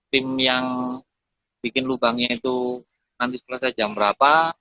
tim yang bikin lubangnya itu nanti setelah saya jam berapa